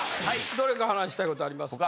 どれか話したいことありますか？